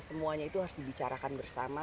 semuanya itu harus dibicarakan bersama